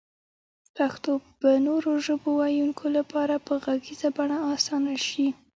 پښتو به نورو ژبو ويونکو لپاره په غږيزه بڼه اسانه شي